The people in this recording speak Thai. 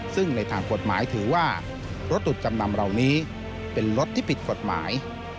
ซึ่งในทางกฎหมายถือว่ารถจุดจำนำเหล่านี้เป็นรถที่ผิดกฎหมาย